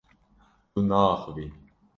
Tu naaxivî.